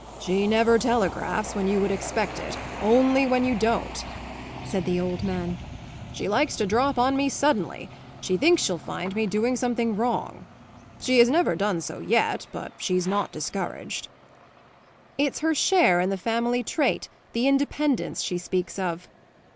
"She never telegraphs when you would expect it only when you don't," said the old man. "She likes to drop on me suddenly; she thinks she'll find me doing something wrong. She has never done so yet, but she's not discouraged." "It's her share in the family trait, the independence she speaks of."